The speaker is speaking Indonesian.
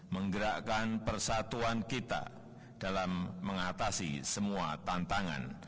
menggerakkan persatuan kita dalam mengatasi semua tantangan